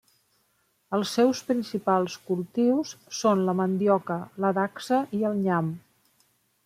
Els seus principals cultius són la mandioca, la dacsa i el nyam.